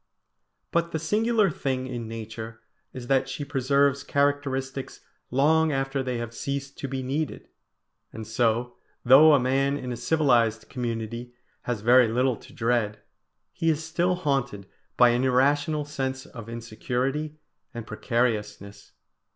But the singular thing in Nature is that she preserves characteristics long after they have ceased to be needed; and so, though a man in a civilised community has very little to dread, he is still haunted by an irrational sense of insecurity and precariousness.